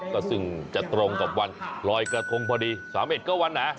ก็ซึ่งจะตรงกับวันลอยกระทงพอดี๓๑ก็วันหนา